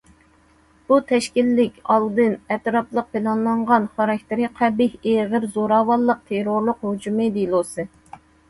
بۇ تەشكىللىك، ئالدىن، ئەتراپلىق پىلانلانغان، خاراكتېرى قەبىھ، ئېغىر زوراۋانلىق، تېررورلۇق ھۇجۇمى دېلوسى.